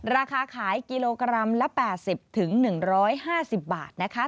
ราคาขายกิโลกรัมละ๘๐๑๕๐บาทนะคะ